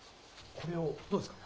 これを、どうですか。